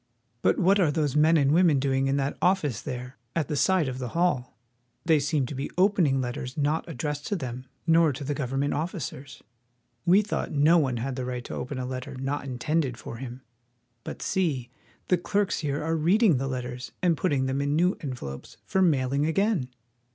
But what are those men and women doing in that office there at the side of the hall? They seem to be opening THE POST OFFICE DEPARTMENT. 43 letters not addressed to them nor to the government offi cers. We thought no one had the right to open a letter not intended for him. But see! the clerks here are read ing the letters and putting them in new envelopes for mail ing again!